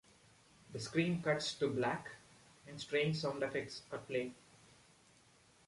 The screen cuts to black and strange sound effects are played.